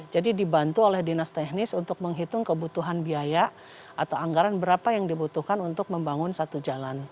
jadi dibantu oleh dinas teknis untuk menghitung kebutuhan biaya atau anggaran berapa yang dibutuhkan untuk membangun satu jalan